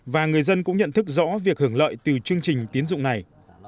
và người dân cũng nhận thức rõ việc hưởng lợi từ chương trình tiến dụng này